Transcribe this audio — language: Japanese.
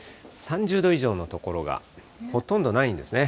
３０度以上の所がほとんどないんですね。